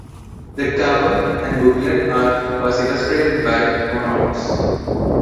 The cover and booklet art was illustrated by Monaux.